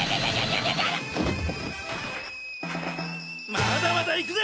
まだまだいくぜ！